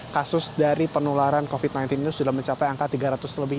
kasus dari penularan covid sembilan belas ini sudah mencapai angka tiga ratus lebih